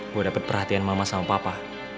gue dapat perhatian mama sama papa